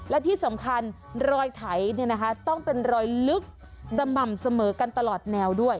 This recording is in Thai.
และที่สำคัญรอยไถต้องเป็นรอยลึกสม่ำเสมอกันตลอดแนวด้วย